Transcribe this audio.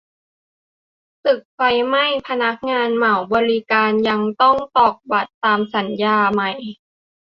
ตึกไฟไหม้ พนักงานเหมาบริการยังต้องตอกบัตรตามสัญญาไหม ?